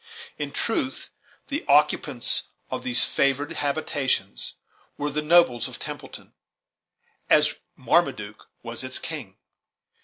In truth, the occupants of these favored habitations were the nobles of Templeton, as Marmaduke was its king.